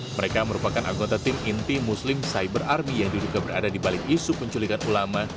mereka merupakan anggota tim inti muslim cyber army yang diduga berada di balik isu penculikan ulama